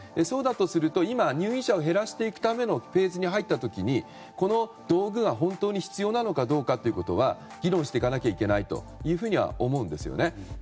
そうだとすると今入院者を減らしていくためのフェーズに入った時にこの道具が本当に必要なのかどうかは議論していかなきゃいけないとは思うんですよね。